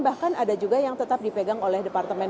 bahkan ada juga yang tetap dipegang oleh departemen